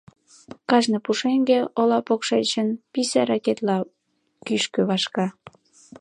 Кажне пушеҥге ола покшечын писе ракетыла кӱшкӧ вашка.